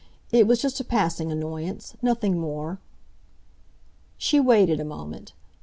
It was just a passing annoyance—nothing more!" She waited a moment.